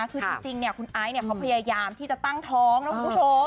คือที่จริงคุณไอ้เนี่ยเขาพยายามที่จะตั้งท้องครับคุณผู้ชม